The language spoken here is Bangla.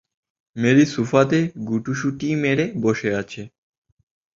মেরি সোফাতে গুটুসুটি মেরে বসে আছে।